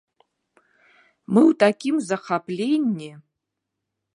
Мы ў такім захапленні!